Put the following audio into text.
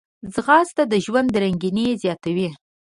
ځغاسته د ژوند رنګیني زیاتوي